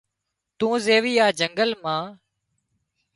تون زيوي آ جنگل مان